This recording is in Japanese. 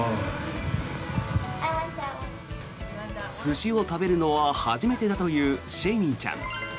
寿司を食べるのは初めてだというシェイミンちゃん。